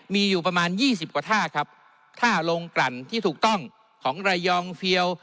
มีอยู่ประมาณยี่สิบกว่าท่าครับท่าลงกลั่นที่ถูกต้องของระยองเฟียว